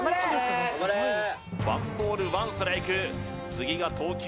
１ボール１ストライク次が投球